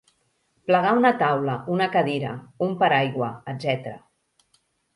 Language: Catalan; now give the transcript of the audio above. Plegar una taula, una cadira, un paraigua, etc.